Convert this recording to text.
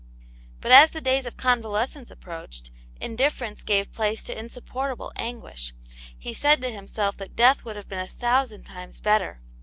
But as the days of convalescence approached, indifference gave place to insupportable anguish; he said to himself that death would have been a thousand times better.